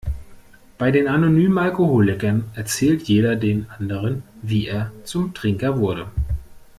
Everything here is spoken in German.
Bei den Anonymen Alkoholikern erzählt jeder den anderen, wie er zum Trinker wurde.